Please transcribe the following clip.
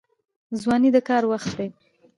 ځواني د کار وخت دی